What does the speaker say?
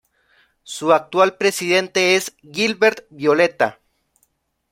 Su actual presidente es Gilbert Violeta.